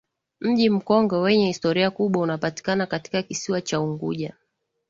Mji Mkongwe wenye historia kubwa unapatika katika kisiwa cha Unguja